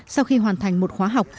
sau khi hoàn thành một khóa học